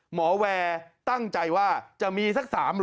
หมอแวตั้งใจว่าจะมีสัก๓โหล